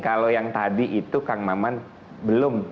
kalau yang tadi itu kang maman belum